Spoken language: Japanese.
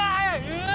うわ！